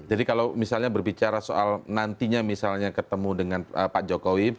jadi kalau misalnya berbicara soal nantinya misalnya ketemu dengan pak jokowi